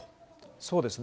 そうですね。